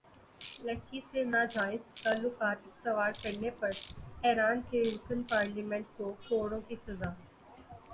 لڑکی سے ناجائز تعلقات استوار کرنے پر ایران کے رکن پارلیمنٹ کو کوڑوں کی سزا